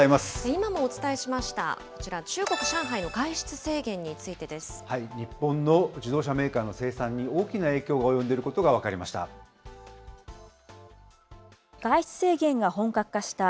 今もお伝えしましたこちら、中国・上海の外出制限についてで日本の自動車メーカーの生産に大きな影響が及んでいることが分かりました。